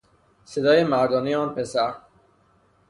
صدای مردانهی آن پسر